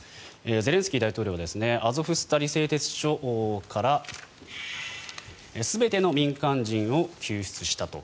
ゼレンスキー大統領はアゾフスタリ製鉄所から全ての民間人を救出したと。